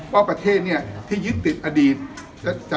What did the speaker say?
ว่าประเทศเนี่ยที่ยึดติดอดีต